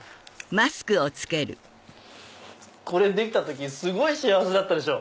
これできた時幸せだったでしょ。